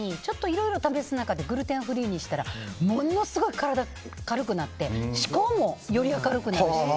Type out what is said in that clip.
いろいろ試す中でグルテンフリーにしたらものすごい体、軽くなって思考もより軽くなるし。